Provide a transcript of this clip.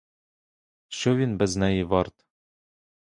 Що він без неї варт?